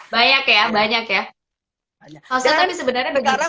banyak ya banyak ya